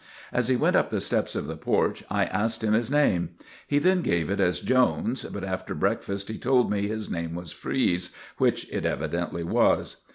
As he went up the steps of the porch, I asked him his name. He then gave it as Jones, but after breakfast he told me his name was Freese, which it evidently was.